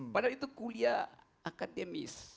padahal itu kuliah akademis